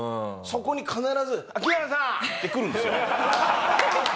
そこに必ず「秋山さん」って来るんですよ。